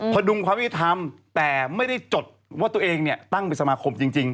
ดุงความยุติธรรมแต่ไม่ได้จดว่าตัวเองเนี่ยตั้งเป็นสมาคมจริง